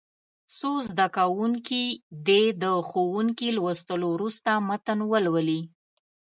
څو زده کوونکي دې د ښوونکي لوستلو وروسته متن ولولي.